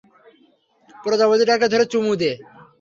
প্রজাপতিটাকে ধরে চুমু দে।